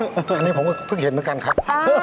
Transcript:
อันนี้ผมก็เพิ่งเห็นเหมือนกันครับ